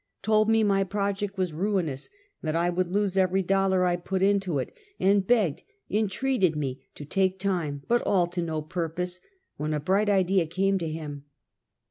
Told me my project was ruinous, that I would lose every dollar I put into it, and begged, entreated me to take time; but all to no purpose, when a bright idea came to him.